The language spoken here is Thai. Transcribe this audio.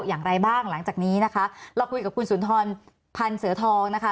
อย่างไรบ้างหลังจากนี้นะคะเราคุยกับคุณสุนทรพันธ์เสือทองนะคะ